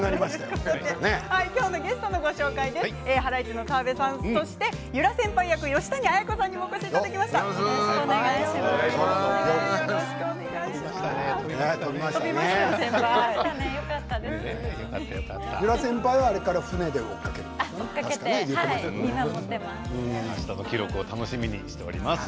よろしくお願いします。